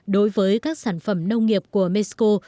đối với các sản phẩm nông nghiệp của mexico